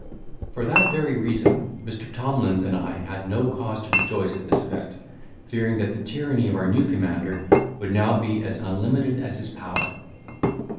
For that very reason, Mr. Tomlins and I had no cause to rejoice at this event, fearing that the tyranny of our new commander would now be as unlimited as his power.